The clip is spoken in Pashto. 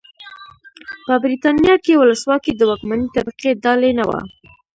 په برېټانیا کې ولسواکي د واکمنې طبقې ډالۍ نه وه.